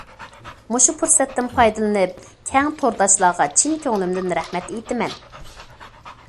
مۇشۇ پۇرسەتتىن پايدىلىنىپ كەڭ تورداشلارغا چىن كۆڭلۈمدىن رەھمەت ئېيتىمەن!